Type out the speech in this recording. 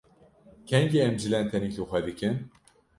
Kengî em cilên tenik li xwe dikin?